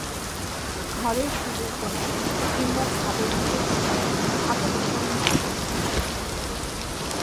ঘরের সুদূর কোণে কিংবা ছাদের দিকে থােকা থােকা বিষন্ন অন্ধকার।